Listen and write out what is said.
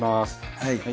はい。